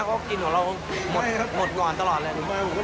ก็กินของเราหมดก่อนตลอดเลย